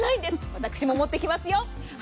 私も持ってきますよ。